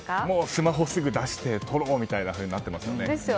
スマホをすぐ出して撮ろうみたいになってますね。